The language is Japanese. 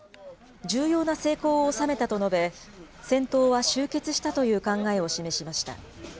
重要な成功を収めたと述べ、戦闘は終結したという考えを示しました。